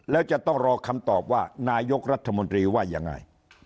แล้วจะต้องรอคำตอบว่านายกรัฐมนตรีว่ายังไง